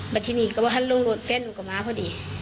ที่นี่ก็ว่าหันลงรถแฟนหนูก็มาพอดี